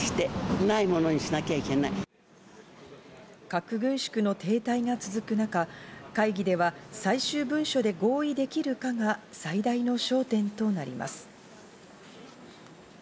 核軍縮の停滞が続く中、会議では最終文書で合意できるかが最大の焦点となります。